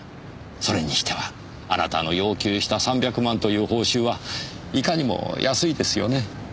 それにしてはあなたの要求した３００万という報酬はいかにも安いですよね。